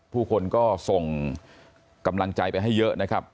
ผู้คนก็ส่งกำลังใจไปให้เยอะนะครับ